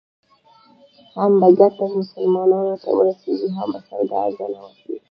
هم به ګټه مسلمانانو ته ورسېږي او هم به سودا ارزانه واخلې.